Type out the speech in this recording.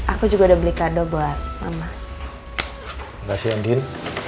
aku juga ada beli kado buat mama makasih andin